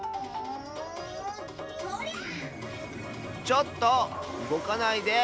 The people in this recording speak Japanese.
ちょっとうごかないで！